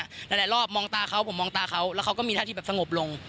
หลายรอบมองตาเขาผมมองตาเขาแล้วเขาก็มีท่าที่แบบสงบลง